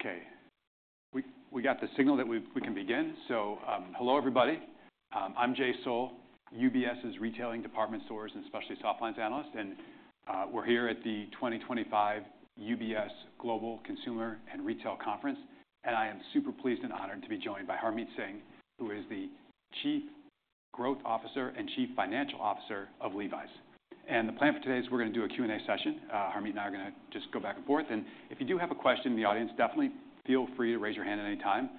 Okay. We got the signal that we can begin. Hello everybody. I'm Jay Sole, UBS's retailing department stores and specialty soft lines analyst. We're here at the 2025 UBS Global Consumer and Retail Conference. I am super pleased and honored to be joined by Harmit Singh, who is the Chief Growth Officer and Chief Financial Officer of Levi's. The plan for today is we're gonna do a Q&A session. Harmit and I are gonna just go back and forth. If you do have a question in the audience, definitely feel free to raise your hand at any time.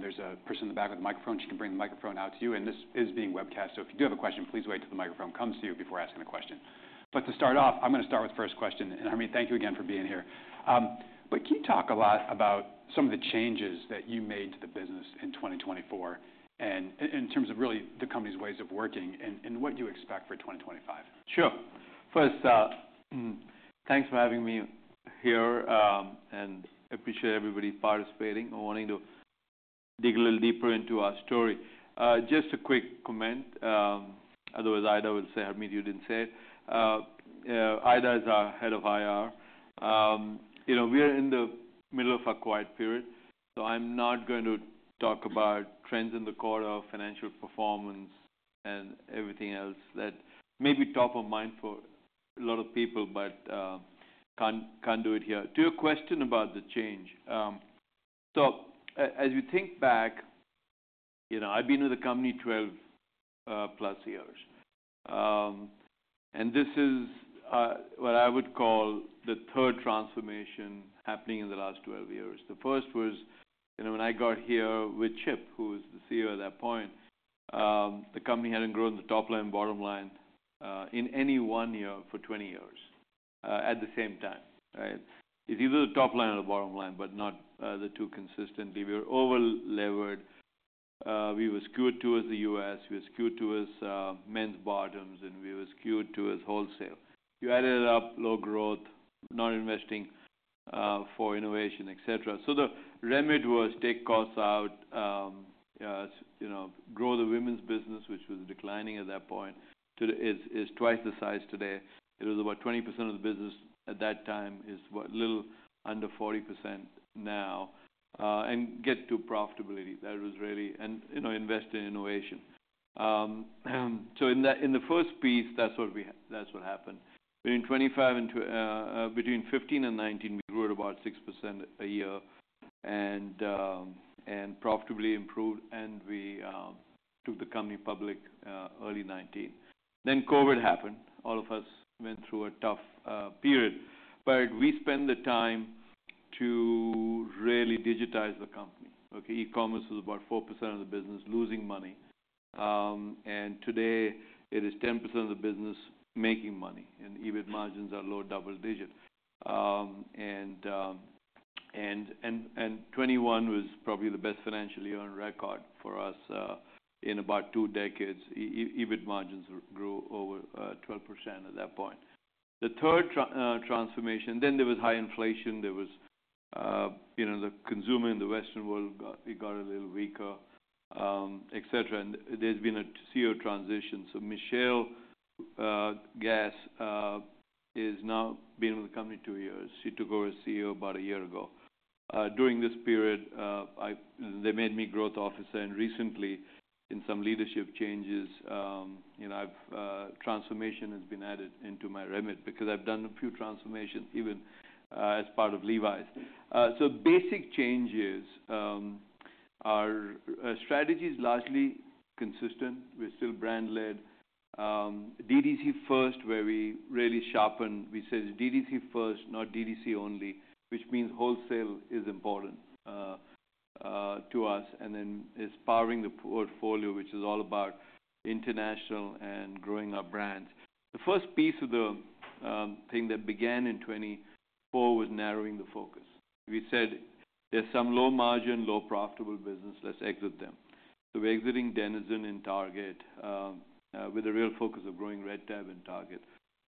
There's a person in the back with a microphone. She can bring the microphone out to you. This is being webcast. If you do have a question, please wait till the microphone comes to you before asking a question. To start off, I'm gonna start with the first question. Harmit, thank you again for being here. Can you talk a lot about some of the changes that you made to the business in 2024 and in terms of really the company's ways of working and what you expect for 2025? Sure. First, thanks for having me here, and appreciate everybody participating. I wanted to dig a little deeper into our story. Just a quick comment, otherwise, Aida will say, Harmit, you did not say it. Aida is our head of IR. You know, we are in the middle of a quiet period. I am not gonna talk about trends in the core of financial performance and everything else that may be top of mind for a lot of people, but cannot, cannot do it here. To your question about the change, as you think back, you know, I have been with the company 12 plus years, and this is what I would call the third transformation happening in the last 12 years. The first was, you know, when I got here with Chip, who was the CEO at that point, the company hadn't grown the top line and bottom line, in any one year for 20 years, at the same time, right? It's either the top line or the bottom line, but not, the two consistently. We were over-levered. We were skewed towards the U.S. We were skewed towards men's bottoms, and we were skewed towards wholesale. You added up low growth, not investing, for innovation, etc. The remedy was take costs out, you know, grow the women's business, which was declining at that point to is, is twice the size today. It was about 20% of the business at that time is what, a little under 40% now, and get to profitability. That was really and, you know, invest in innovation. In the first piece, that's what happened. Between 2015 and 2019, we grew at about 6% a year and profitably improved. We took the company public early 2019. COVID happened. All of us went through a tough period. We spent the time to really digitize the company. E-commerce was about 4% of the business losing money, and today it is 10% of the business making money. EBIT margins are low double digit. In 2021, it was probably the best financial year on record for us in about two decades. EBIT margins grew over 12% at that point. The third transformation, then there was high inflation. The consumer in the Western world got a little weaker, etc. There has been a CEO transition. Michelle Gass has now been with the company two years. She took over as CEO about a year ago. During this period, they made me growth officer. And recently, in some leadership changes, you know, transformation has been added into my remit because I've done a few transformations even as part of Levi's. Basic changes are, strategy's largely consistent. We're still brand-led. DTC first, where we really sharpen. We said it's DTC first, not DTC only, which means wholesale is important to us. And then it's powering the portfolio, which is all about international and growing our brands. The first piece of the thing that began in 2024 was narrowing the focus. We said there's some low margin, low profitable business. Let's exit them. We're exiting Denizen in Target, with a real focus of growing Red Tab in Target.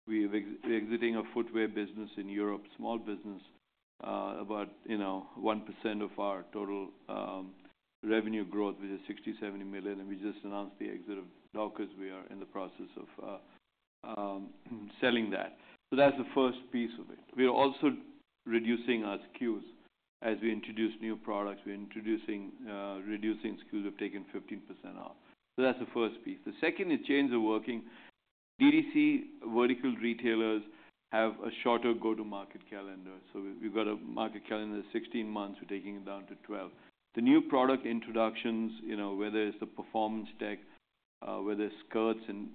We have exited a footwear business in Europe, small business, about, you know, 1% of our total revenue growth, which is $60-70 million. And we just announced the exit of Dockers. We are in the process of selling that. So that's the first piece of it. We're also reducing our SKUs as we introduce new products. We're introducing, reducing SKUs. We've taken 15% off. So that's the first piece. The second is chains of working. DTC vertical retailers have a shorter go-to-market calendar. So we've got a market calendar of 16 months. We're taking it down to 12. The new product introductions, you know, whether it's the Performance Tech, whether it's skirts and,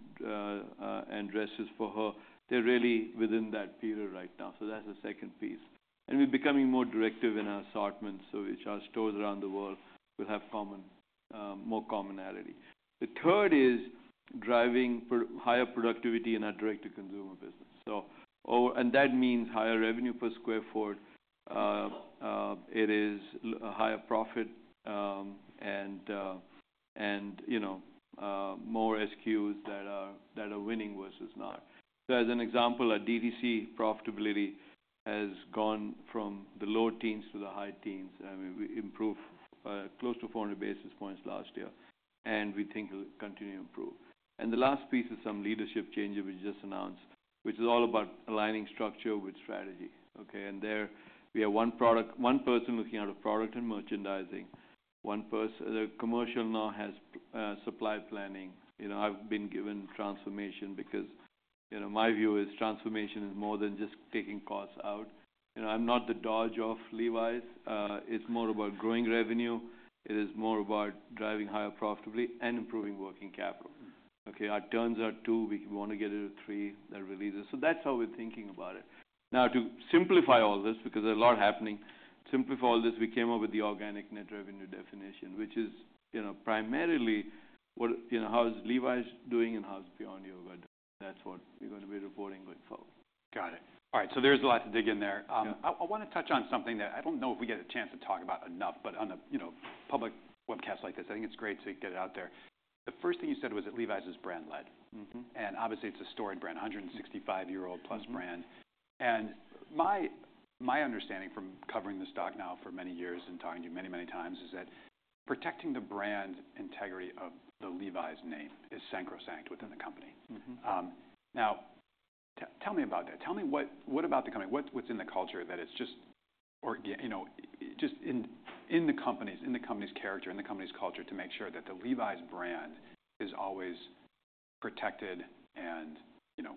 and dresses for her, they're really within that period right now. So that's the second piece. And we're becoming more directive in our assortments. So which our stores around the world will have common, more commonality. The third is driving higher productivity in our direct-to-consumer business. That means higher revenue per square foot. It is higher profit, and, you know, more SKUs that are winning versus not. As an example, our DTC profitability has gone from the low teens to the high teens. I mean, we improved close to 400 basis points last year. We think it will continue to improve. The last piece is some leadership changes we just announced, which is all about aligning structure with strategy. There we have one person looking at product and merchandising. One person, the commercial, now has supply planning. I have been given transformation because, you know, my view is transformation is more than just taking costs out. You know, I am not the DOGE of Levi's. It is more about growing revenue. It is more about driving higher profitability and improving working capital. Okay? Our turns are two. We wanna get it to three that releases. That is how we are thinking about it. Now, to simplify all this, because there is a lot happening, simplify all this, we came up with the organic net revenue definition, which is, you know, primarily what, you know, how is Levi's doing and how is Beyond Yoga doing. That is what we are gonna be reporting going forward. Got it. All right. There's a lot to dig in there. I wanna touch on something that I don't know if we get a chance to talk about enough, but on a, you know, public webcast like this, I think it's great to get it out there. The first thing you said was that Levi's is brand-led. Mm-hmm. Obviously, it's a storied brand, 165-year-old plus brand. My understanding from covering the stock now for many years and talking to you many, many times is that protecting the brand integrity of the Levi's name is sacrosanct within the company. Mm-hmm. Now, tell me about that. Tell me what, what about the company? What, what's in the culture that it's just, you know, just in, in the company's, in the company's character, in the company's culture to make sure that the Levi's brand is always protected and, you know,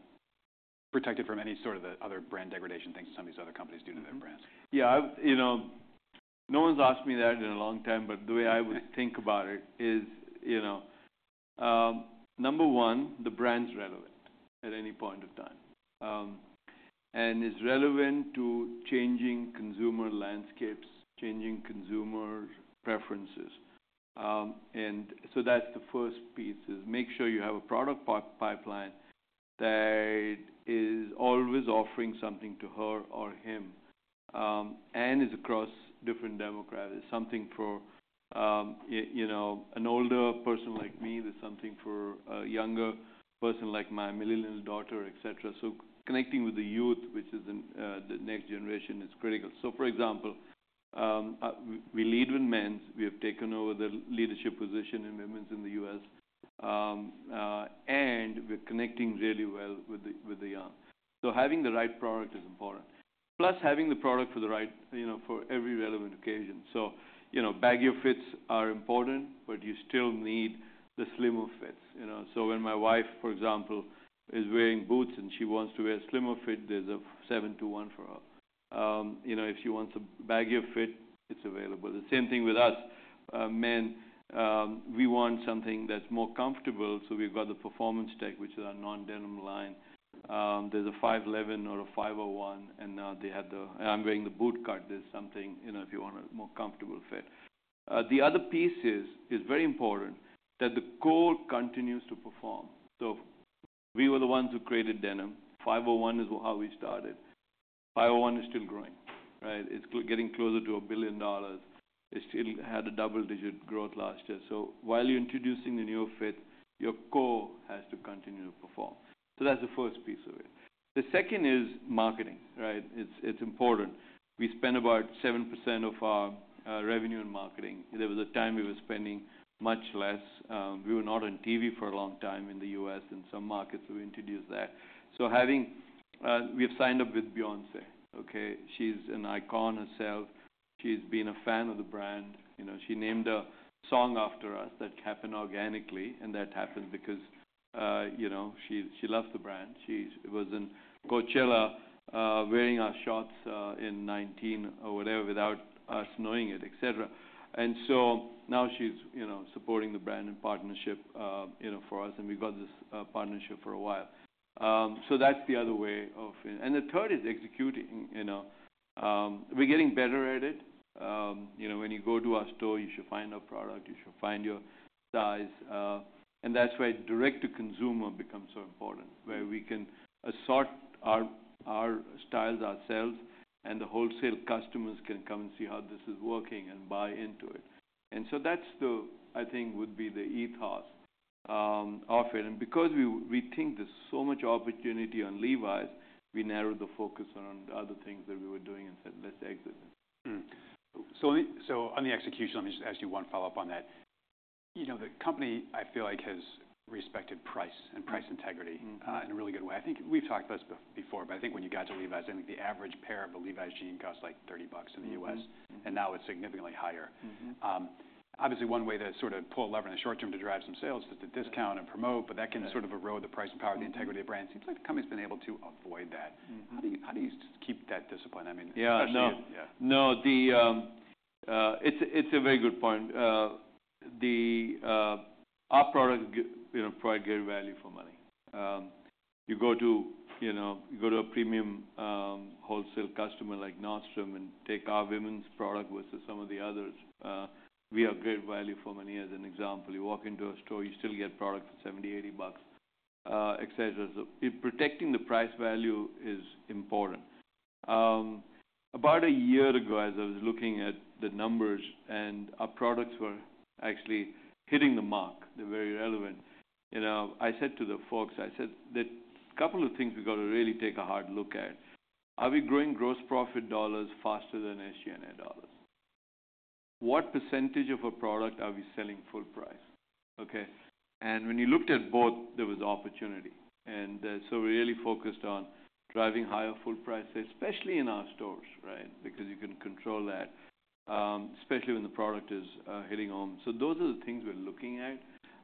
protected from any sort of the other brand degradation things some of these other companies do to their brands? Yeah. I've, you know, no one's asked me that in a long time. The way I would think about it is, you know, number one, the brand's relevant at any point of time, and it's relevant to changing consumer landscapes, changing consumer preferences. That's the first piece, is make sure you have a product pipeline that is always offering something to her or him, and is across different demographics. It's something for, you know, an older person like me. There's something for a younger person like my millennial daughter, etc. Connecting with the youth, which is in the next generation, is critical. For example, we lead with men's. We have taken over the leadership position in women's in the U.S., and we're connecting really well with the young. Having the right product is important, plus having the product for the right, you know, for every relevant occasion. You know, baggier fits are important, but you still need the slimmer fits, you know? When my wife, for example, is wearing boots and she wants to wear a slimmer fit, there's a 721 for her. You know, if she wants a baggier fit, it's available. The same thing with us, men. We want something that's more comfortable. We've got the Performance Tech, which is our non-denim line. There's a 511 or a 501. I'm wearing the bootcut. There's something, you know, if you want a more comfortable fit. The other piece is, it's very important that the core continues to perform. We were the ones who created denim. 501 is how we started. 501 is still growing, right? It's getting closer to a billion dollars. It still had a double-digit growth last year. While you're introducing the newer fit, your core has to continue to perform. That's the first piece of it. The second is marketing, right? It's important. We spend about 7% of our revenue in marketing. There was a time we were spending much less. We were not on TV for a long time in the U.S. and some markets. We introduced that. We have signed up with Beyoncé. She's an icon herself. She's been a fan of the brand. You know, she named a song after us. That happened organically. That happened because, you know, she loves the brand. She was in Coachella, wearing our shorts, in 2019 or whatever without us knowing it, etc. Now she's, you know, supporting the brand in partnership, you know, for us. We've got this partnership for a while. That's the other way of it. The third is executing, you know? We're getting better at it. You know, when you go to our store, you should find our product. You should find your size. That's why direct-to-consumer becomes so important, where we can assort our styles ourselves and the wholesale customers can come and see how this is working and buy into it. I think that would be the ethos of it. Because we think there's so much opportunity on Levi's, we narrowed the focus on other things that we were doing and said, "Let's exit them". On the execution, let me just ask you one follow-up on that. You know, the company, I feel like, has respected price and price integrity. Mm-hmm. in a really good way. I think we've talked about this before, but I think when you got to Levi's, I think the average pair of a Levi's jean costs like $30 in the U.S. Mm-hmm. Now it's significantly higher. Mm-hmm. Obviously, one way to sort of pull a lever in the short term to drive some sales is to discount and promote, but that can sort of erode the price and power, the integrity of brands. Seems like the company's been able to avoid that. Mm-hmm. How do you, how do you keep that discipline? I mean, especially. Yeah. No. Yeah. No. It's a very good point. Our product, you know, provides great value for money. You go to, you know, you go to a premium wholesale customer like Nordstrom and take our women's product versus some of the others, we have great value for money. As an example, you walk into a store, you still get product for $70, $80, etc. Protecting the price value is important. About a year ago, as I was looking at the numbers and our products were actually hitting the mark, they're very relevant, you know, I said to the folks, I said, "There are a couple of things we gotta really take a hard look at. Are we growing gross profit dollars faster than SG&A dollars? What percentage of our product are we selling full price?" Okay? When you looked at both, there was opportunity. We really focused on driving higher full price, especially in our stores, right? Because you can control that, especially when the product is hitting home. Those are the things we're looking at.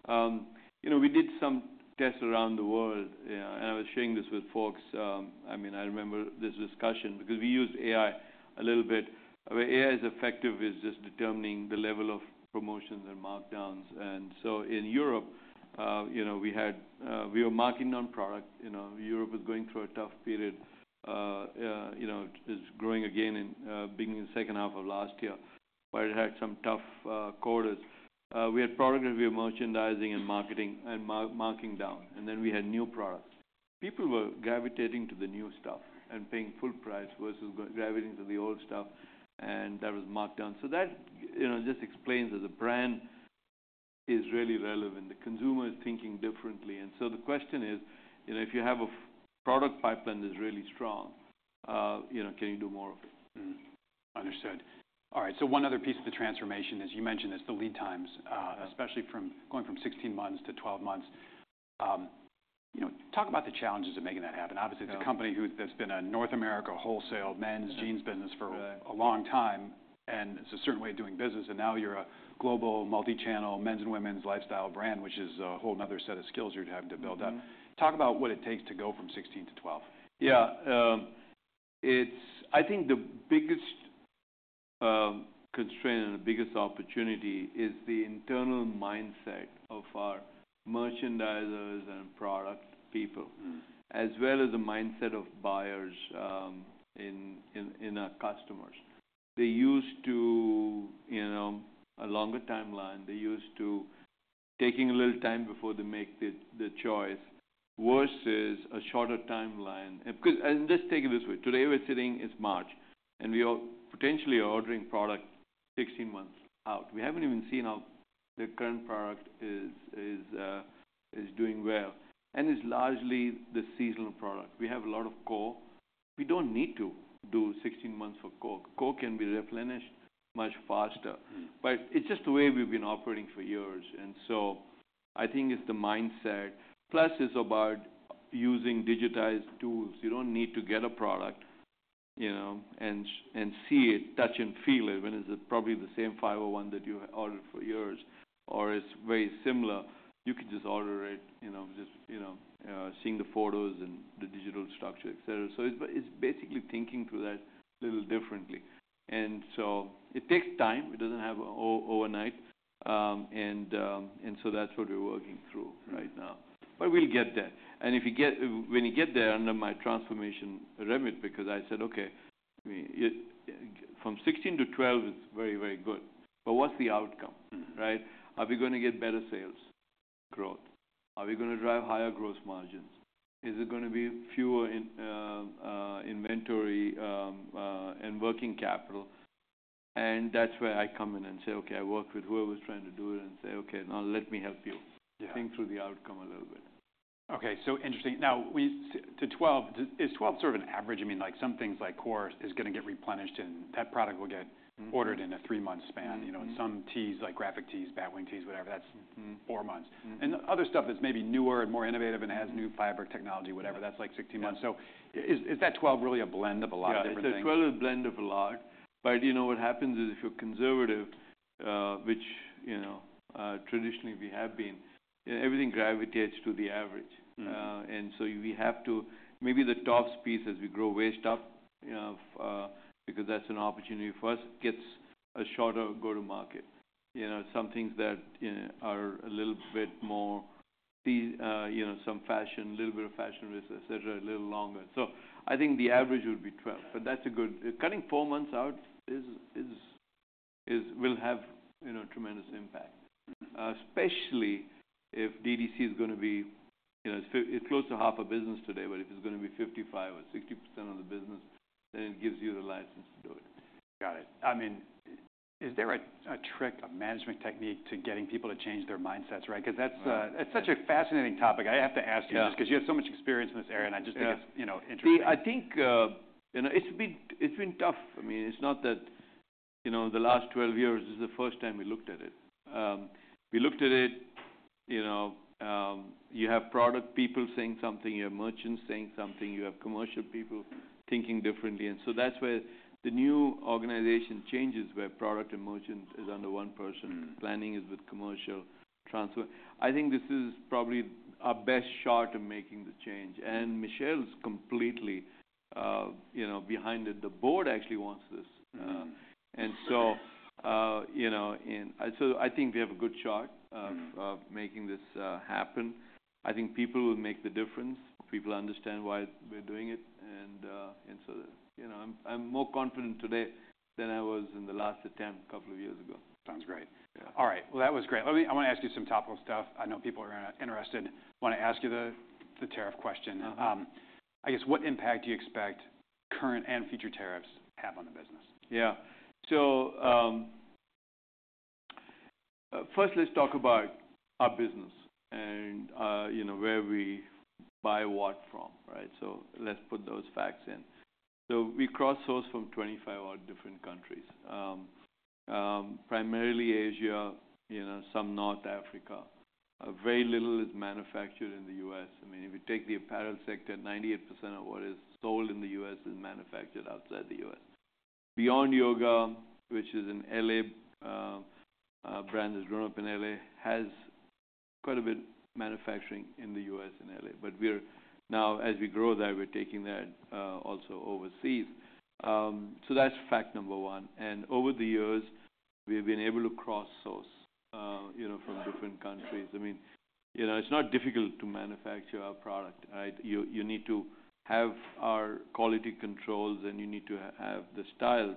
You know, we did some tests around the world, you know, and I was sharing this with folks. I mean, I remember this discussion because we used AI a little bit. Where AI is effective is just determining the level of promotions and markdowns. In Europe, you know, we had, we were marketing on product. You know, Europe was going through a tough period. You know, it's growing again in the beginning of the second half of last year, but it had some tough quarters. We had product that we were merchandising and marketing and marking down. And then we had new products. People were gravitating to the new stuff and paying full price versus gravitating to the old stuff. That was marked down. That, you know, just explains that the brand is really relevant. The consumer is thinking differently. The question is, you know, if you have a product pipeline that's really strong, you know, can you do more of it? Understood. All right. One other piece of the transformation is you mentioned this, the lead times, especially from going from 16 months to 12 months. You know, talk about the challenges of making that happen. Obviously, it's a company that's been a North America wholesale men's jeans business for a long time. Right. It is a certain way of doing business. Now you are a global multi-channel men's and women's lifestyle brand, which is a whole nother set of skills you are having to build up. Mm-hmm. Talk about what it takes to go from 16 to 12. Yeah. I think the biggest constraint and the biggest opportunity is the internal mindset of our merchandisers and product people, as well as the mindset of buyers in our customers. They are used to, you know, a longer timeline. They are used to taking a little time before they make the choice versus a shorter timeline. Let's take it this way. Today we're sitting, it's March, and we are potentially ordering product 16 months out. We have not even seen how the current product is doing well. It is largely the seasonal product. We have a lot of core. We do not need to do 16 months for core. Core can be replenished much faster. It is just the way we have been operating for years. I think it is the mindset. Plus, it is about using digitized tools. You don't need to get a product, you know, and see it, touch and feel it. When it's probably the same 501 that you ordered for yours or it's very similar, you can just order it, you know, just, you know, seeing the photos and the digital structure, etc. It's basically thinking through that a little differently. It takes time. It doesn't happen overnight. That's what we're working through right now. We'll get there. If you get when you get there under my transformation remit, because I said, "Okay. I mean, you from 16 to 12 is very, very good. But what's the outcome?" Right? Are we gonna get better sales, growth? Are we gonna drive higher gross margins? Is it gonna be fewer inventory, and working capital? That's where I come in and say, "Okay. I work with whoever's trying to do it." And say, "Okay. Now let me help you." Yeah. Think through the outcome a little bit. Okay. So interesting. Now, to 12, do is 12 sort of an average? I mean, like some things like core is gonna get replenished and that product will get. Mm-hmm. Ordered in a three-month span, you know? And some tees, like graphic tees, Batwing tees, whatever, that's. Mm-hmm. Four months. Mm-hmm. Other stuff that's maybe newer and more innovative and has new fiber technology, whatever, that's like 16 months. Mm-hmm. Is that 12 really a blend of a lot of different things? Yeah. Twelve is a blend of a lot. But you know, what happens is if you're conservative, which, you know, traditionally we have been, you know, everything gravitates to the average. And so we have to maybe the top speed as we grow way stuff, you know, because that's an opportunity for us, it gets a shorter go-to-market. You know, some things that, you know, are a little bit more, you know, some fashion, a little bit of fashion wristlets, etc., a little longer. So I think the average would be twelve. But that's a good cutting four months out is, is, is will have, you know, tremendous impact, especially if DTC is gonna be, you know, it's f it's close to half a business today. But if it's gonna be 55% or 60% of the business, then it gives you the license to do it. Got it. I mean, is there a trick, a management technique to getting people to change their mindsets, right? Because that's such a fascinating topic. I have to ask you this. Yeah. Because you have so much experience in this area, and I just think it's, you know, interesting. See, I think, you know, it's been, it's been tough. I mean, it's not that, you know, the last 12 years is the first time we looked at it. We looked at it, you know, you have product people saying something. You have merchants saying something. You have commercial people thinking differently. That is where the new organization changes, where product and merchant is under one person. Planning is with commercial transfer. I think this is probably our best shot of making the change. Michelle's completely, you know, behind it. The board actually wants this. You know, I think we have a good shot of making this happen. I think people will make the difference. People understand why we're doing it. You know, I'm more confident today than I was in the last attempt a couple of years ago. Sounds great. Yeah. All right. That was great. Let me, I want to ask you some topical stuff. I know people are interested. Want to ask you the, the tariff question. Uh-huh. I guess, what impact do you expect current and future tariffs have on the business? Yeah. First, let's talk about our business and, you know, where we buy what from, right? Let's put those facts in. We cross-source from 25 odd different countries, primarily Asia, you know, some North Africa. Very little is manufactured in the U.S. I mean, if you take the apparel sector, 98% of what is sold in the U.S. is manufactured outside the U.S. Beyond Yoga, which is an LA brand that's grown up in LA, has quite a bit of manufacturing in the U.S. and LA. We're now, as we grow that, taking that also overseas. That's fact number one. Over the years, we've been able to cross-source, you know, from different countries. I mean, you know, it's not difficult to manufacture our product, right? You need to have our quality controls, and you need to have the styles,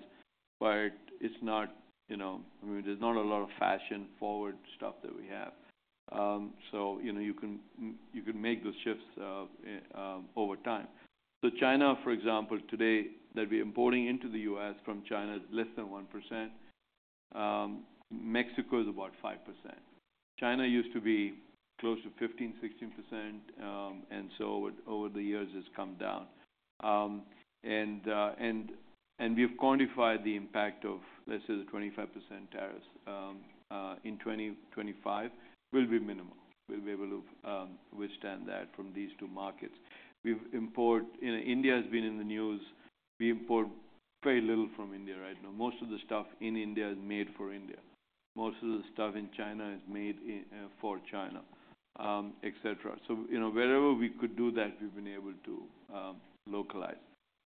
but it's not, you know, I mean, there's not a lot of fashion-forward stuff that we have. You can make those shifts over time. China, for example, today, what we're importing into the U.S. from China is less than 1%. Mexico is about 5%. China used to be close to 15-16%, and over the years, it's come down. We've quantified the impact of, let's say, the 25% tariffs in 2025 will be minimal. We'll be able to withstand that from these two markets. India has been in the news. We import very little from India right now. Most of the stuff in India is made for India. Most of the stuff in China is made in, for China, etc. So, you know, wherever we could do that, we've been able to localize.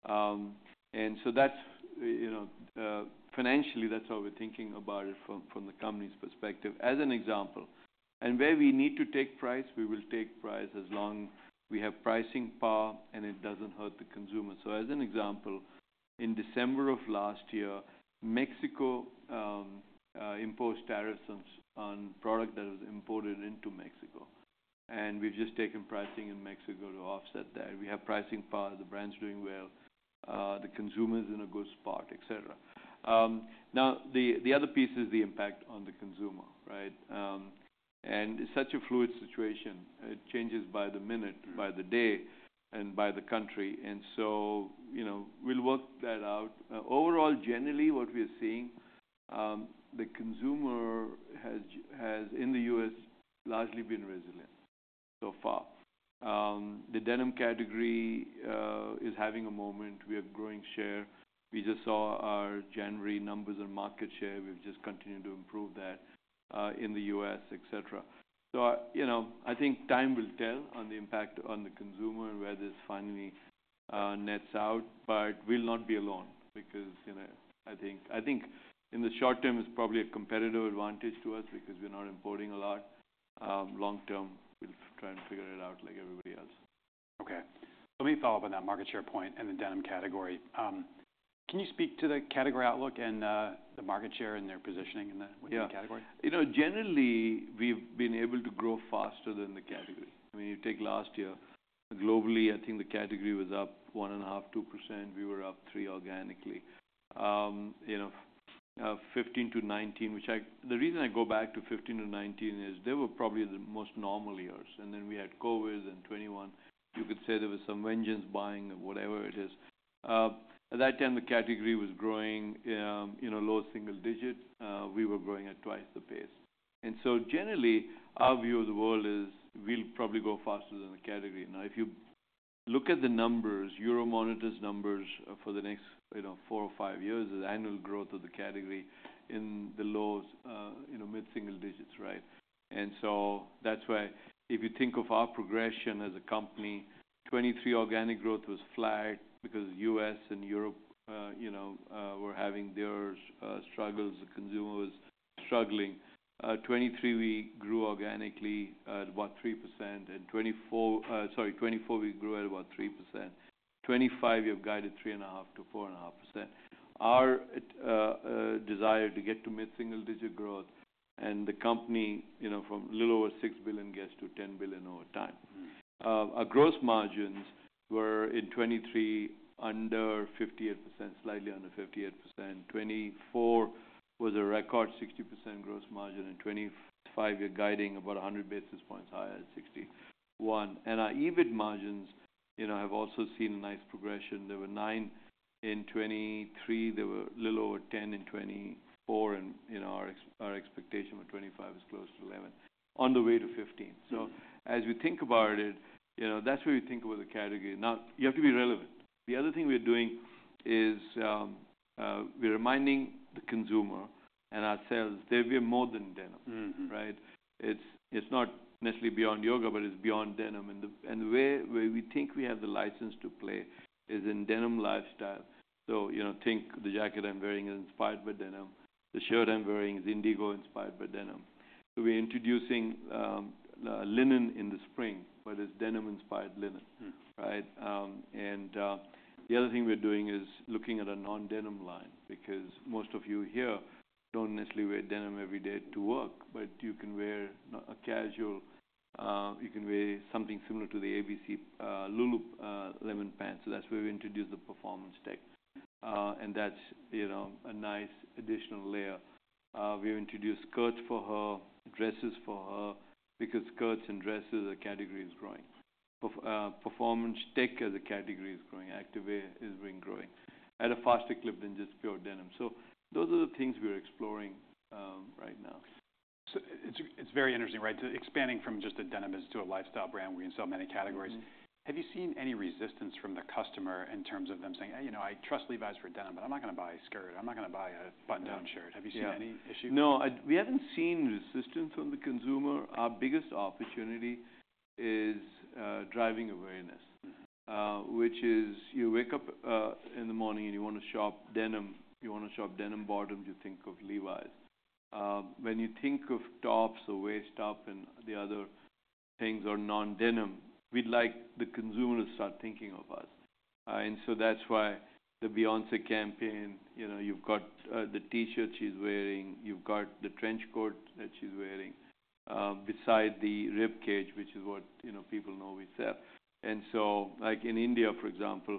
And so that's, you know, financially, that's how we're thinking about it from the company's perspective. As an example, and where we need to take price, we will take price as long as we have pricing power and it doesn't hurt the consumer. As an example, in December of last year, Mexico imposed tariffs on product that was imported into Mexico. And we've just taken pricing in Mexico to offset that. We have pricing power. The brand's doing well. The consumer's in a good spot, etc. Now, the other piece is the impact on the consumer, right? And it's such a fluid situation. It changes by the minute, by the day, and by the country. You know, we'll work that out. Overall, generally, what we are seeing, the consumer in the U.S. has largely been resilient so far. The denim category is having a moment. We have growing share. We just saw our January numbers on market share. We've just continued to improve that in the U.S., etc. You know, I think time will tell on the impact on the consumer and where this finally nets out. We'll not be alone because, you know, I think in the short term, it's probably a competitive advantage to us because we're not importing a lot. Long term, we'll try and figure it out like everybody else. Okay. Let me follow up on that market share point and the denim category. Can you speak to the category outlook and the market share and their positioning in the. Yeah. Within the category? You know, generally, we've been able to grow faster than the category. I mean, you take last year. Globally, I think the category was up 1.5-2%. We were up 3% organically. You know, from 2015 to 2019, which I, the reason I go back to 2015 to 2019 is they were probably the most normal years. And then we had COVID and 2021. You could say there was some vengeance buying or whatever it is. At that time, the category was growing, you know, low single digit. We were growing at twice the pace. And so generally, our view of the world is we'll probably go faster than the category. Now, if you look at the numbers, Euromonitor's numbers for the next, you know, four or five years is annual growth of the category in the low- to mid-single digits, right? That is why if you think of our progression as a company, 2023 organic growth was flat because U.S. and Europe, you know, were having their struggles. The consumer was struggling. 2023, we grew organically, about 3%. In 2024, sorry, 2024, we grew at about 3%. 2025, we have guided 3.5-4.5%. Our desire to get to mid-single digit growth and the company, you know, from a little over $6 billion gets to $10 billion over time. Our gross margins were in 2023 under 58%, slightly under 58%. 2024 was a record 60% gross margin. In 2025, we are guiding about 100 basis points higher than 61%. And our EBIT margins, you know, have also seen a nice progression. They were nine in 2023. They were a little over 10 in 2024. You know, our expectation for 2025 is close to 11 on the way to 15. As we think about it, you know, that's where we think about the category. Now, you have to be relevant. The other thing we're doing is, we're reminding the consumer and ourselves they'll be more than denim. Mm-hmm. Right? It's, it's not necessarily Beyond Yoga, but it's beyond denim. The way where we think we have the license to play is in denim lifestyle. You know, think the jacket I'm wearing is inspired by denim. The shirt I'm wearing is indigo inspired by denim. We're introducing linen in the spring, but it's denim-inspired linen. Right? The other thing we're doing is looking at a non-denim line because most of you here don't necessarily wear denim every day to work, but you can wear a casual, you can wear something similar to the ABC, Lulu, linen pants. That's where we introduce the Performance Tech. That's, you know, a nice additional layer. We've introduced skirts for her, dresses for her because skirts and dresses are categories growing. Performance Tech as a category is growing. Activewear is being growing at a faster clip than just pure denim. Those are the things we're exploring, right now. It's very interesting, right? Expanding from just denim as to a lifestyle brand, where you sell many categories. Mm-hmm. Have you seen any resistance from the customer in terms of them saying, "Hey, you know, I trust Levi's for denim, but I'm not gonna buy a skirt. I'm not gonna buy a button-down shirt."? Yeah. Have you seen any issues? No. We haven't seen resistance from the consumer. Our biggest opportunity is driving awareness. Mm-hmm. Which is you wake up, in the morning, and you wanna shop denim. You wanna shop denim bottoms. You think of Levi's. when you think of tops or waist-up and the other things are non-denim, we'd like the consumer to start thinking of us. and so that's why the Beyoncé campaign, you know, you've got, the T-shirt she's wearing. You've got the trench coat that she's wearing, beside the ribcage, which is what, you know, people know we sell. And so, like in India, for example,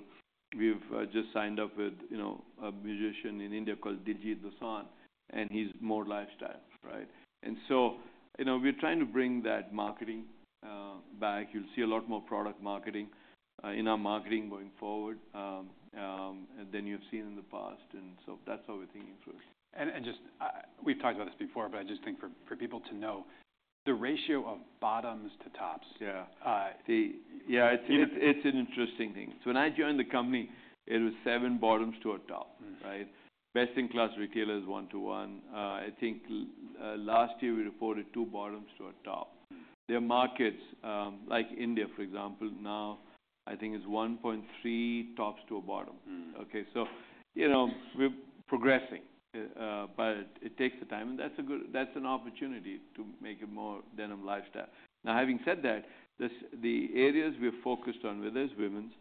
we've, just signed up with, you know, a musician in India called Diljit Dosanjh, and he's more lifestyle, right? And so, you know, we're trying to bring that marketing, back. You'll see a lot more product marketing, in our marketing going forward, than you've seen in the past. And so that's how we're thinking through it. We have talked about this before, but I just think for people to know, the ratio of bottoms to tops. Yeah. See, yeah, it's an interesting thing. So when I joined the company, it was seven bottoms to a top. Right? Best-in-class retailers, one-to-one. I think, last year, we reported two bottoms to a top. Their markets, like India, for example, now, I think it's 1.3 tops to a bottom. Okay? So, you know, we're progressing, but it takes the time. And that's a good, that's an opportunity to make it more denim lifestyle. Now, having said that, the areas we're focused on, whether it's women's,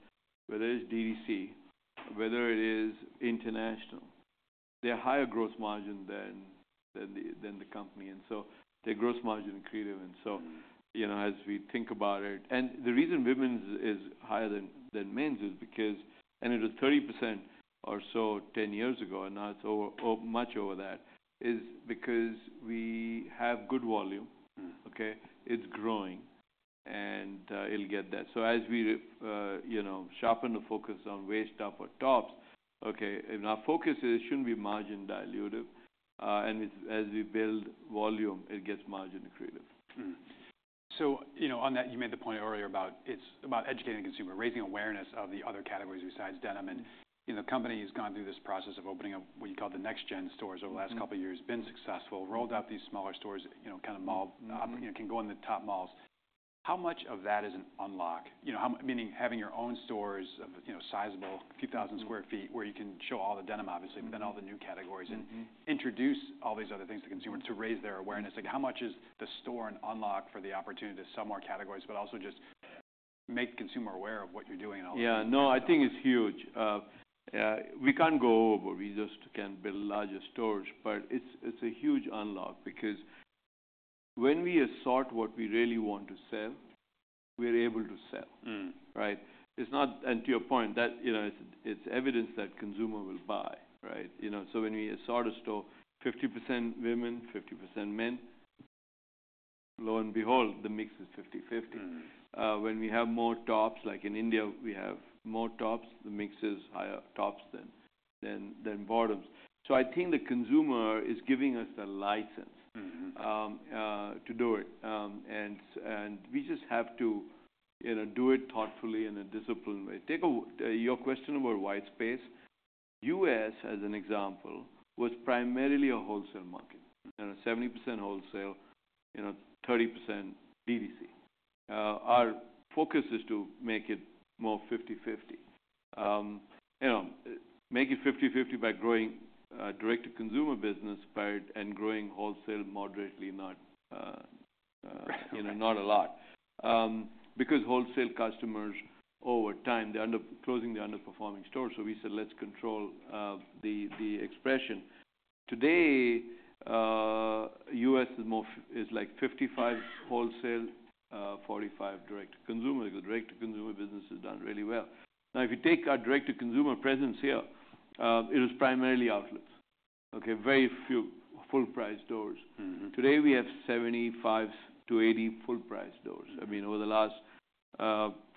whether it's DTC, whether it is international, they're higher gross margin than the company. And so their gross margin is creative. You know, as we think about it, and the reason women's is higher than men's is because it was 30% or so 10 years ago, and now it's over, so much over that, is because we have good volume. Okay? It's growing, and it'll get there. As we, you know, sharpen the focus on waist-up or tops, okay, and our focus is it shouldn't be margin dilutive. And as we build volume, it gets margin creative. You know, on that, you made the point earlier about it's about educating the consumer, raising awareness of the other categories besides denim. You know, the company has gone through this process of opening up what you call the next-gen stores over the last couple of years, been successful, rolled out these smaller stores, you know, kind of mall. Mm-hmm. You know, can go in the top malls. How much of that is an unlock? You know, how much meaning having your own stores of, you know, sizable, a few thousand square feet where you can show all the denim, obviously, but then all the new categories. Mm-hmm. Introduce all these other things to consumer to raise their awareness. Like, how much is the store an unlock for the opportunity to sell more categories, but also just make the consumer aware of what you're doing and all that? Yeah. No, I think it's huge. We can't go over. We just can't build larger stores, but it's a huge unlock because when we assort what we really want to sell, we're able to sell. Right? It's not, and to your point, that, you know, it's evidence that consumer will buy, right? You know, so when we assort a store, 50% women, 50% men, lo and behold, the mix is 50/50. When we have more tops, like in India, we have more tops. The mix is higher tops than bottoms. I think the consumer is giving us the license. Mm-hmm. to do it. and we just have to, you know, do it thoughtfully in a disciplined way. Take your question about white space. U.S., as an example, was primarily a wholesale market, you know, 70% wholesale, you know, 30% DTC. Our focus is to make it more 50/50. you know, make it 50/50 by growing direct-to-consumer business part and growing wholesale moderately, not, you know, not a lot. Right. because wholesale customers, over time, they're closing the underperforming stores. We said, "Let's control the expression." Today, U.S. is more like 55% wholesale, 45% direct-to-consumer because direct-to-consumer business has done really well. Now, if you take our direct-to-consumer presence here, it was primarily outlets, okay? Very few full-price stores. Mm-hmm. Today, we have 75 to 80 full-price stores. I mean, over the last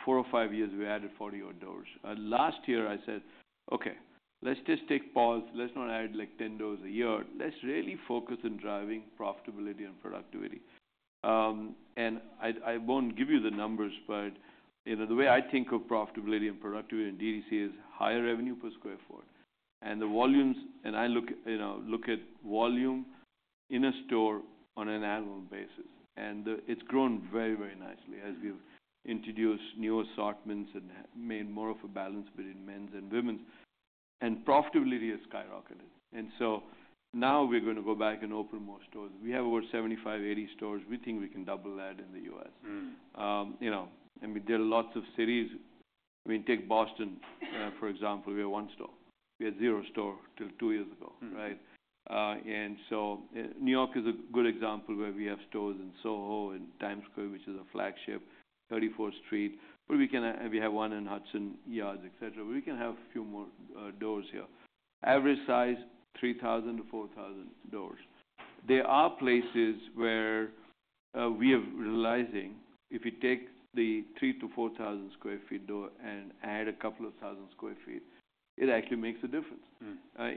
four or five years, we added 40-odd doors. Last year, I said, "Okay. Let's just take pause. Let's not add like 10 doors a year. Let's really focus on driving profitability and productivity." I won't give you the numbers, but, you know, the way I think of profitability and productivity in DTC is higher revenue per square foot. And the volumes and I look, you know, look at volume in a store on an annual basis. It's grown very, very nicely as we've introduced new assortments and made more of a balance between men's and women's. Profitability has skyrocketed. Now we're gonna go back and open more stores. We have over 75, 80 stores. We think we can double that in the U.S. You know, I mean, there are lots of cities. I mean, take Boston, for example. We have one store. We had zero store till two years ago, right? New York is a good example where we have stores in Soho and Times Square, which is a flagship, 34th Street. We have one in Hudson Yards, etc. We can have a few more doors here. Average size, 3,000-4,000 sq ft. There are places where we are realizing if you take the 3,000 to 4,000 sq ft door and add a couple of thousand sq ft, it actually makes a difference.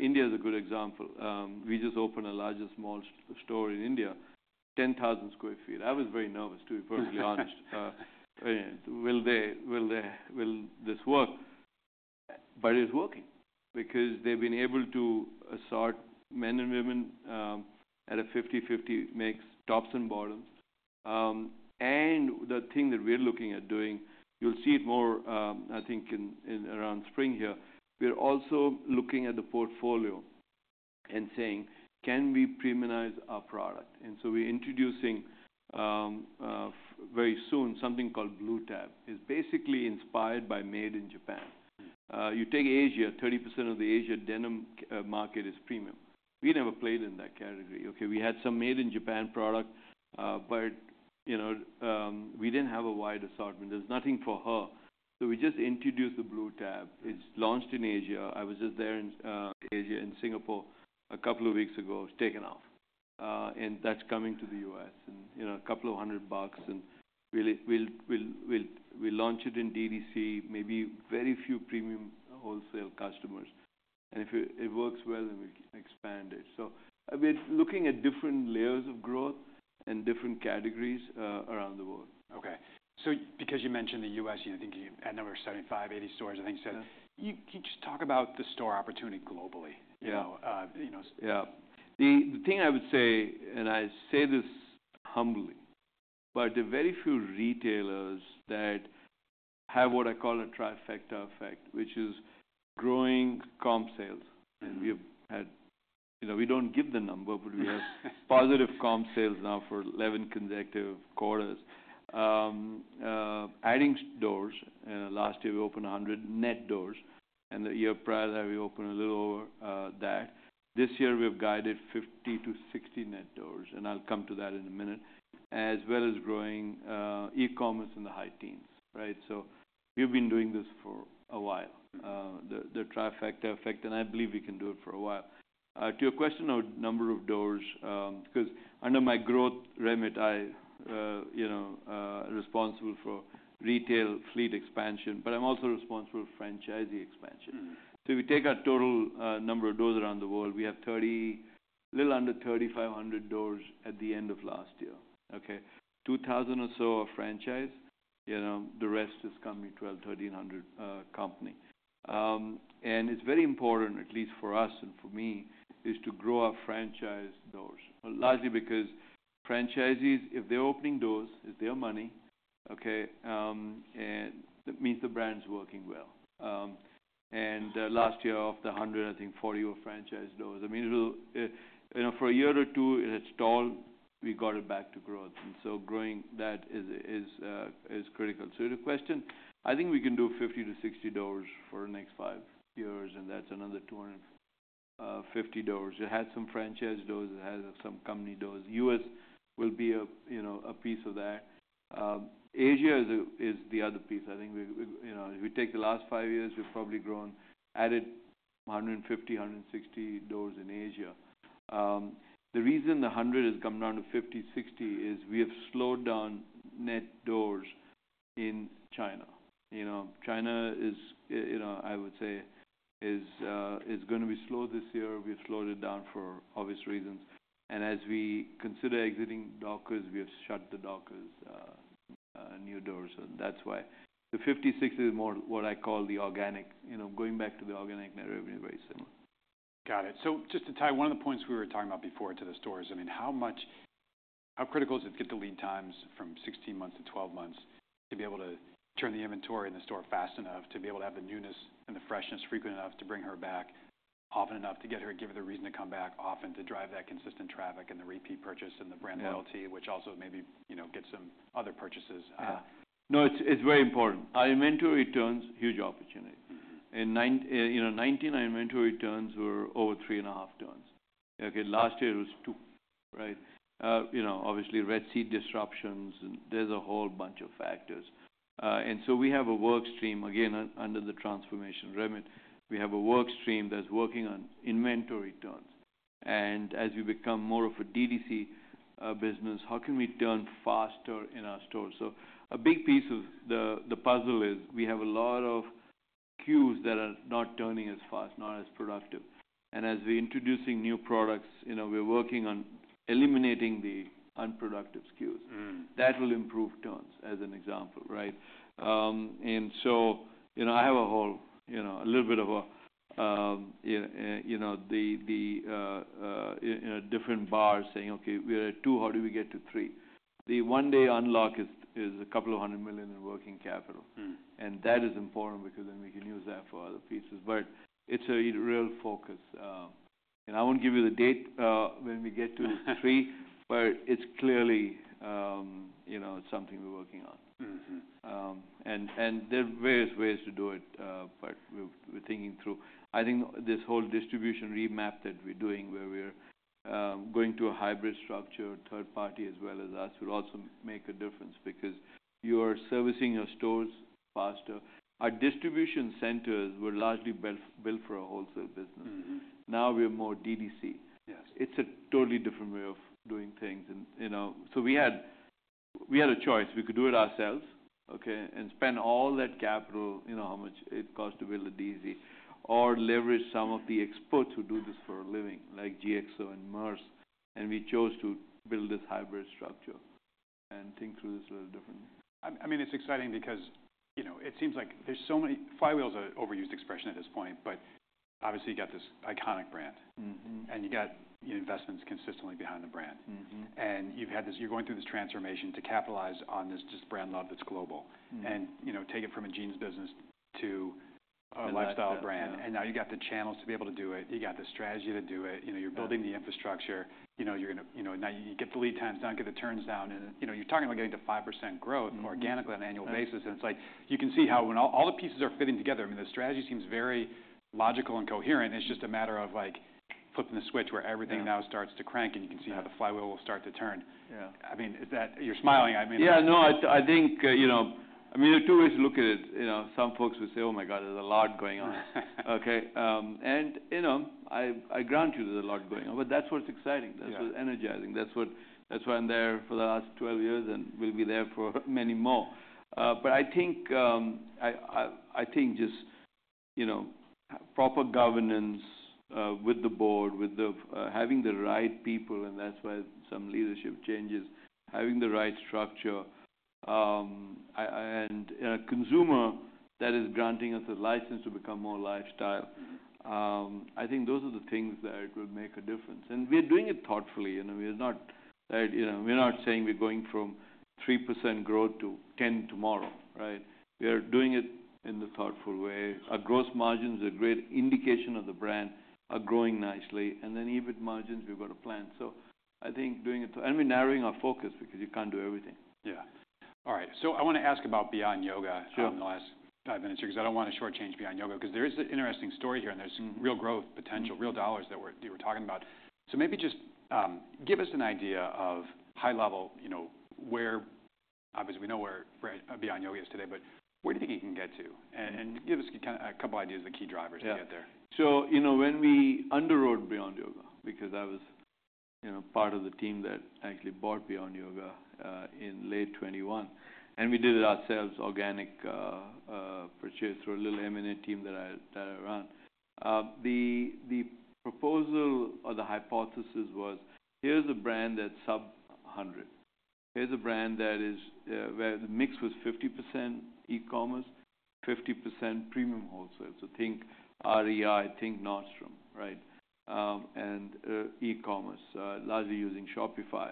India's a good example. We just opened a larger small store in India, 10,000 sq ft. I was very nervous, to be perfectly honest. Will they, will this work? It's working because they've been able to assort men and women, at a 50/50 mix, tops and bottoms. The thing that we're looking at doing, you'll see it more, I think in, in around spring here, we're also looking at the portfolio and saying, "Can we premiumize our product?" We're introducing, very soon, something called Blue Tab. It's basically inspired by made in Japan. You take Asia. 30% of the Asia denim market is premium. We never played in that category, okay? We had some made-in-Japan product, but, you know, we didn't have a wide assortment. There's nothing for her. We just introduced the Blue Tab. It's launched in Asia. I was just there in Asia in Singapore a couple of weeks ago. It's taken off. That's coming to the US in, you know, a couple of hundred bucks. We'll launch it in DTC, maybe very few premium wholesale customers. If it works well, then we'll expand it. We are looking at different layers of growth and different categories around the world. Okay. Because you mentioned the U.S., you know, thinking you had another 75-80 stores, I think you said. Yeah. Can you just talk about the store opportunity globally, you know? Yeah. you know. Yeah. The thing I would say, and I say this humbly, but there are very few retailers that have what I call a trifecta effect, which is growing comp sales. And we have had, you know, we do not give the number, but we have positive comp sales now for 11 consecutive quarters. Adding doors. Last year, we opened 100 net doors. And the year prior to that, we opened a little over that. This year, we have guided 50-60 net doors. I will come to that in a minute, as well as growing e-commerce in the high teens, right? We have been doing this for a while, the trifecta effect. I believe we can do it for a while. To your question of number of doors, because under my growth remit, I, you know, am responsible for retail fleet expansion, but I am also responsible for franchisee expansion. If you take our total number of doors around the world, we have a little under 3,500 doors at the end of last year, okay? Two thousand or so are franchise. You know, the rest is company, 1,200, 1,300 company. And it's very important, at least for us and for me, to grow our franchise doors, largely because franchisees, if they're opening doors, it's their money, okay? That means the brand's working well. Last year, of the 100, I think 40 were franchise doors. I mean, for a year or two, it had stalled. We got it back to growth. Growing that is critical. To your question, I think we can do 50-60 doors for the next five years, and that's another 250 doors. It has some franchise doors. It has some company doors. U.S. will be a, you know, a piece of that. Asia is the other piece. I think we, you know, if we take the last five years, we've probably grown, added 150, 160 doors in Asia. The reason the 100 has come down to 50-60 is we have slowed down net doors in China. You know, China is, you know, I would say, is, is gonna be slow this year. We've slowed it down for obvious reasons. As we consider exiting Dockers, we have shut the Dockers new doors. That's why the 50-60 is more what I call the organic, you know, going back to the organic net revenue is very similar. Got it. So just to tie one of the points we were talking about before to the stores, I mean, how much how critical is it to get the lead times from 16 months to 12 months to be able to turn the inventory in the store fast enough, to be able to have the newness and the freshness frequent enough, to bring her back often enough, to get her give her the reason to come back often, to drive that consistent traffic and the repeat purchase and the brand loyalty. Yeah. Which also maybe, you know, gets some other purchases. Yeah. No, it's, it's very important. Our inventory turns huge opportunity. Mm-hmm. In 2019, you know, our inventory turns were over three and a half turns, okay? Last year, it was two, right? You know, obviously, Red Sea disruptions. And there's a whole bunch of factors. And we have a work stream, again, under the transformation remit. We have a work stream that's working on inventory turns. As we become more of a DTC business, how can we turn faster in our stores? A big piece of the puzzle is we have a lot of SKUs that are not turning as fast, not as productive. As we're introducing new products, you know, we're working on eliminating the unproductive SKUs. That will improve turns, as an example, right? You know, I have a whole, you know, a little bit of a, you know, you know, the, the, you know, different bars saying, "Okay. We're at two. How do we get to three?" The one-day unlock is a couple of hundred million in working capital. That is important because then we can use that for other pieces. It's a real focus. I won't give you the date when we get to three, but it's clearly, you know, it's something we're working on. Mm-hmm. There are various ways to do it, but we're thinking through. I think this whole distribution remap that we're doing, where we're going to a hybrid structure, third party as well as us, will also make a difference because you are servicing your stores faster. Our distribution centers were largely built for a wholesale business. Mm-hmm. Now we're more DTC. Yes. It's a totally different way of doing things. You know, we had a choice. We could do it ourselves, okay, and spend all that capital, you know, how much it cost to build a DTC, or leverage some of the experts who do this for a living, like GXO and Maersk. We chose to build this hybrid structure and think through this a little differently. I mean, it's exciting because, you know, it seems like there's so many flywheels are an overused expression at this point, but obviously, you got this iconic brand. Mm-hmm. You got, you know, investments consistently behind the brand. Mm-hmm. You've had this, you're going through this transformation to capitalize on this just brand love that's global. Mm-hmm. You know, take it from a jeans business to a lifestyle brand. Exactly. You got the channels to be able to do it. You got the strategy to do it. You know, you're building the infrastructure. You know, you're gonna, you know, now you get the lead times down, get the turns down. You know, you're talking about getting to 5% growth. Mm-hmm. Organically on an annual basis. You can see how when all the pieces are fitting together, I mean, the strategy seems very logical and coherent. It's just a matter of, like, flipping the switch where everything now starts to crank, and you can see how the flywheel will start to turn. Yeah. I mean, is that you're smiling? I mean. Yeah. No, I think, you know, I mean, there are two ways to look at it. You know, some folks would say, "Oh my God, there's a lot going on," okay? You know, I grant you there's a lot going on, but that's what's exciting. Yeah. That's what's energizing. That's what, that's why I'm there for the last 12 years, and will be there for many more. I think, I think just, you know, proper governance, with the board, with the, having the right people, and that's why some leadership changes, having the right structure. I, I and, you know, a consumer that is granting us a license to become more lifestyle. Mm-hmm. I think those are the things that will make a difference. We're doing it thoughtfully. You know, we're not, you know, we're not saying we're going from 3% growth to 10% tomorrow, right? We are doing it in the thoughtful way. Our gross margins are a great indication of the brand, are growing nicely. And then EBIT margins, we've got to plan. I think doing it, and we're narrowing our focus because you can't do everything. Yeah. All right. I want to ask about Beyond Yoga. Sure. On the last five minutes here because I don't want to shortchange Beyond Yoga because there is an interesting story here, and there's. Mm-hmm. Real growth potential, real dollars that we're, that we're talking about. Maybe just give us an idea of high level, you know, where obviously, we know where Beyond Yoga is today, but where do you think you can get to? And give us kind of a couple ideas of the key drivers to get there. Yeah. You know, when we underwrote Beyond Yoga, because I was part of the team that actually bought Beyond Yoga in late 2021, and we did it ourselves, organic, purchase through a little M&A team that I run. The proposal or the hypothesis was, "Here's a brand that's sub 100. Here's a brand that is, where the mix was 50% e-commerce, 50% premium wholesale." Think REI, think Nordstrom, right? E-commerce, largely using Shopify,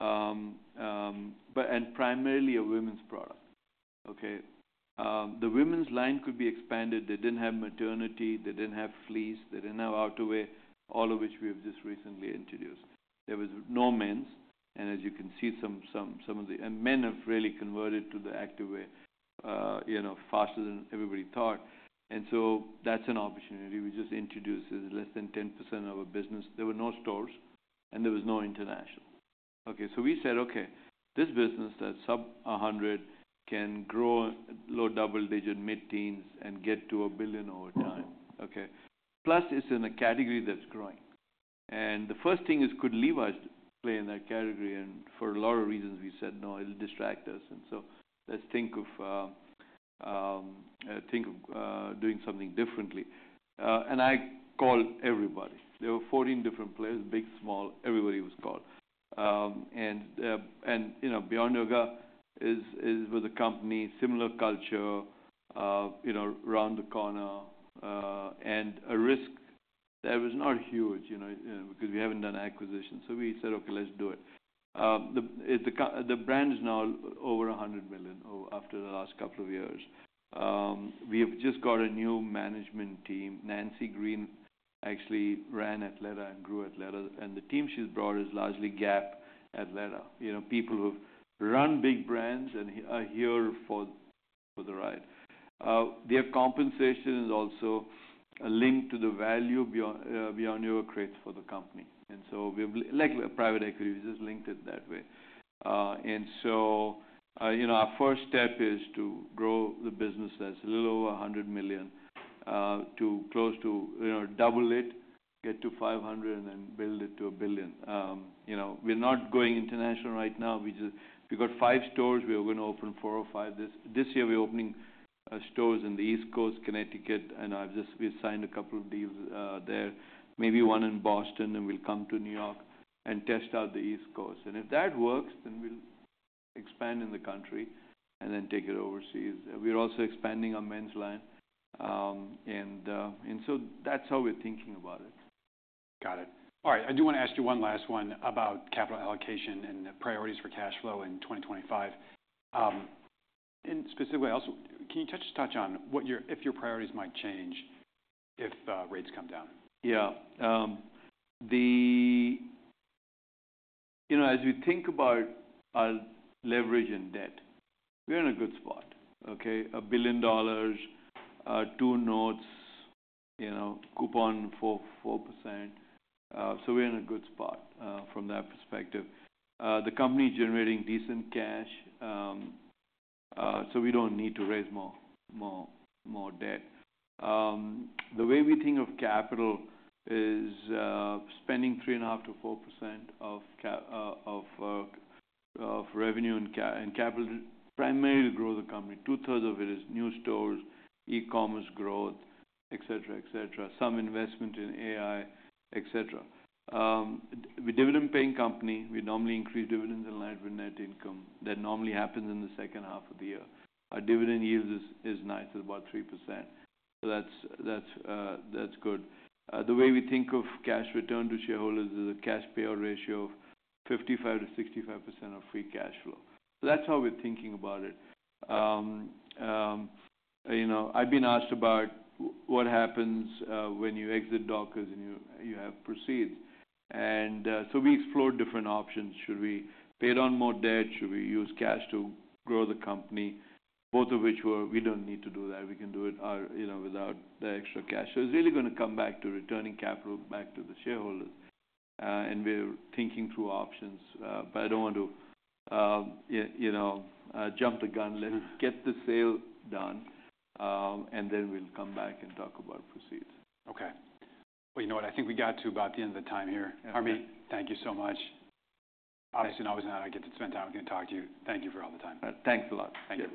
and primarily a women's product, okay? The women's line could be expanded. They didn't have maternity. They didn't have fleece. They didn't have outerwear, all of which we have just recently introduced. There was no men's. As you can see, some of the men have really converted to the activewear faster than everybody thought. That's an opportunity. We just introduced it. It's less than 10% of our business. There were no stores, and there was no international, okay? We said, "Okay. This business that's sub 100 can grow low double-digit, mid-teens, and get to a billion over time," okay? Plus, it's in a category that's growing. The first thing is, could Levi's play in that category? For a lot of reasons, we said, "No, it'll distract us." Let's think of, think of, doing something differently. I called everybody. There were 14 different players, big, small. Everybody was called. You know, Beyond Yoga is with a company, similar culture, you know, around the corner, and a risk that was not huge, you know, you know, because we haven't done acquisitions. We said, "Okay. Let's do it." The brand is now over $100 million over after the last couple of years. We have just got a new management team. Nancy Green actually ran Athleta and grew Athleta. And the team she's brought is largely Gap, Athleta, you know, people who run big brands and are, are here for, for the ride. Their compensation is also linked to the value Beyond Yoga creates for the company. And so we have like a private equity. We just linked it that way. You know, our first step is to grow the business that's a little over $100 million, to close to, you know, double it, get to $500 million, and then build it to a billion. You know, we're not going international right now. We just, we got five stores. We were gonna open four or five this year. We're opening stores in the East Coast, Connecticut. And I've just, we've signed a couple of deals there, maybe one in Boston, and we'll come to New York and test out the East Coast. If that works, then we'll expand in the country and then take it overseas. We're also expanding our men's line, and so that's how we're thinking about it. Got it. All right. I do want to ask you one last one about capital allocation and the priorities for cash flow in 2025. And specifically, also, can you touch on what your, if your priorities might change if rates come down? Yeah. You know, as we think about our leverage and debt, we're in a good spot, okay? A billion dollars, two notes, you know, coupon for 4%. We're in a good spot from that perspective. The company's generating decent cash. We don't need to raise more debt. The way we think of capital is spending 3.5%-4% of revenue and capital primarily to grow the company. Two-thirds of it is new stores, e-commerce growth, etc., etc., some investment in AI, etc. We're a dividend-paying company. We normally increase dividends in line with net income. That normally happens in the second half of the year. Our dividend yield is nice. It's about 3%. That's good. The way we think of cash return to shareholders is a cash payout ratio of 55-65% of free cash flow. That's how we're thinking about it. You know, I've been asked about what happens, when you exit Dockers and you, you have proceeds. And, we explored different options. Should we pay down more debt? Should we use cash to grow the company? Both of which were, we don't need to do that. We can do it our, you know, without the extra cash. So it's really gonna come back to returning capital back to the shareholders. And we're thinking through options. But I don't want to, you, you know, jump the gun. Let's get the sale done, and then we'll come back and talk about proceeds. Okay. You know what? I think we got to about the end of the time here. Okay. Harmit, thank you so much. Thank you. Obviously, I'm always gonna have to get to spend time with you and talk to you. Thank you for all the time. Thanks a lot. Thank you.